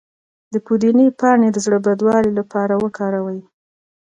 د پودینې پاڼې د زړه بدوالي لپاره وکاروئ